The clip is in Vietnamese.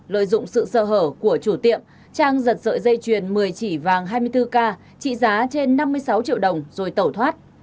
lợi dụng sự sơ hở của chủ tiệm trang giật sợi dây chuyền một mươi chỉ vàng hai mươi bốn k trị giá trên năm mươi sáu triệu đồng rồi tẩu thoát